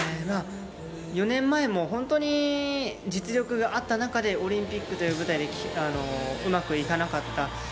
４年前も本当に実力があった中でオリンピックという舞台でうまくいかなかった。